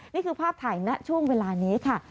นี่คือภาพถ่ายณช่วงเวลานี้ค่ะ